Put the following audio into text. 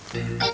keh gini ya